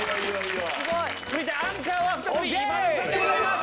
続いてアンカーは再び今田さんでございます。